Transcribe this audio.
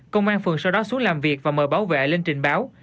công an phường sau đó xuống làm việc và mời bảo vệ lên trình báo